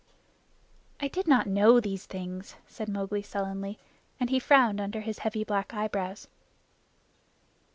"I did not know these things," said Mowgli sullenly, and he frowned under his heavy black eyebrows.